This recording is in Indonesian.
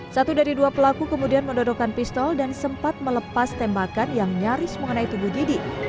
satu dari dua pelaku kemudian mendodokan pistol dan sempat melepas tembakan yang nyaris mengenai tubuh didi